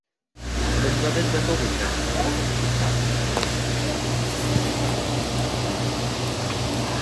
И Бангладеш готово играть свою роль в активизации Конференции.